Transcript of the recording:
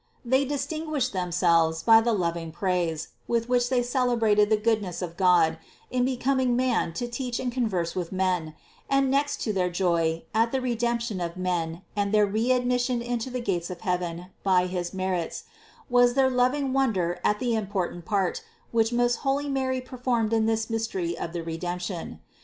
They distinguished themselves by the lov THE CONCEPTION 297 ing praise, with which they celebrated the goodness of God in becoming man to teach and converse with men, and next to their joy at the Redemption of men and their readmission into the gates of heaven by his mer its, was their loving wonder at the important part, which most holy Mary performed in this mystery of the Re demption.